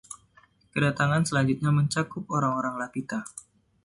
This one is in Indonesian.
Kedatangan selanjutnya mencakup orang-orang Lapita.